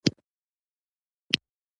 مور مې چیغې وهلې چې پوړونی یې باد یووړ.